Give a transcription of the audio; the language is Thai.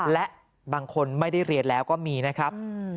และบางคนไม่ได้เรียนแล้วก็มีนะครับ